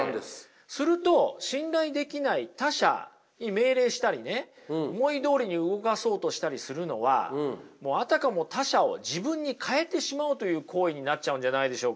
すると信頼できない他者に命令したりね思いどおりに動かそうとしたりするのはもうあたかも他者を自分に変えてしまおうという行為になっちゃうんじゃないでしょうか。